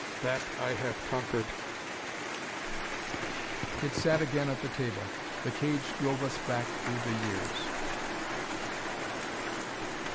That, I have conquered." It sat again at the table. The cage drove us back through the years....